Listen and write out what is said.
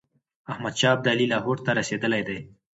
احمدشاه ابدالي لاهور ته رسېدلی دی.